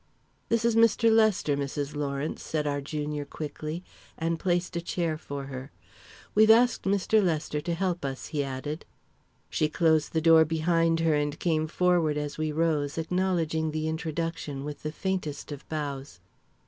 "This is Mr. Lester, Mrs. Lawrence," said our junior, quickly, and placed a chair for her. "We've asked Mr. Lester to help us," he added. She closed the door behind her and came forward as we rose, acknowledging the introduction with the faintest of bows.